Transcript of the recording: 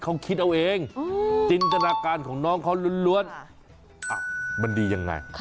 เขาคิดเอาเองจินตนาการของน้องเขาล้วนมันดียังไง